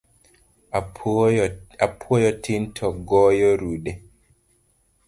Apuoyo tin to goyo rude